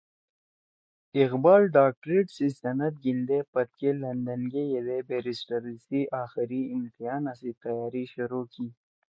اقبال ڈاکٹریٹ سی سند گھیِندے پدکے لندن گے یِدے بیرسٹری سی آخری امتحانا سی تیاری شروع کی